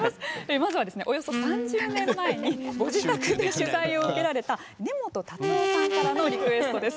まずは、およそ３０年前にご自宅で取材を受けられた根本達夫さんからのリクエストです。